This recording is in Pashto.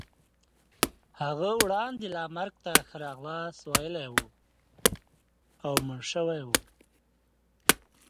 هغه وړاندې لا مرګ ته ښه راغلاست ویلی وو او مړ شوی وو.